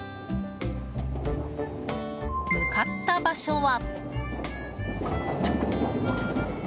向かった場所は。